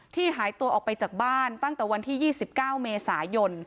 หายตัวออกไปจากบ้านตั้งแต่วันที่๒๙เมษายน